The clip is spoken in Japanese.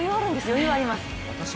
余裕があります。